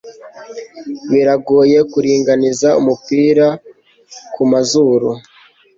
Biragoye kuringaniza umupira kumazuru.